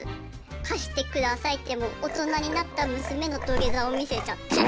貸してくださいって大人になった娘の土下座を見せちゃって。